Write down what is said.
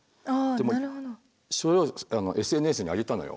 でもそれをＳＮＳに上げたのよ。